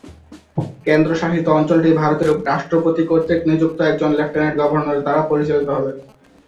কেন্দ্রশাসিত অঞ্চলটি ভারতের রাষ্ট্রপতি কর্তৃক নিযুক্ত একজন লেফটেন্যান্ট গভর্নর দ্বারা পরিচালিত হবে।